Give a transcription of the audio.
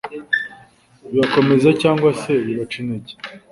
bibakomeza cyangwa se bibaca intege.